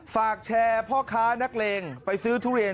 ฝากแชร์พ่อค้านักเลงไปซื้อทุเรียน